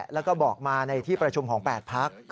แล้วก็บอกมาในที่ประชุมของ๘พัก